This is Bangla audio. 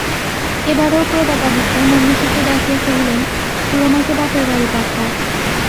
এবারেও প্রতাপাদিত্য মহিষীকে ডাকিয়া কহিলেন, সুরমাকে বাপের বাড়ি পাঠাও।